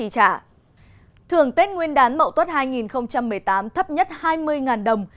thưởng tết nguyên đán mậu tuất hai nghìn một mươi tám thấp nhất hai mươi đồng